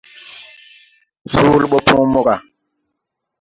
Soolé ɓo põõ mo gà.